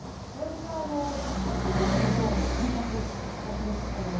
私はあの韓国のりのふりかけわかりますか？